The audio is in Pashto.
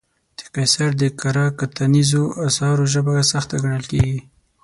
د قیصر د کره کتنیزو اثارو ژبه سخته ګڼل کېږي.